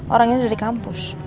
orang ini dari kampus